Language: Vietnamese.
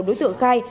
đối tượng khai